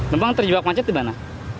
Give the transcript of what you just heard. memang terjebak macet di mana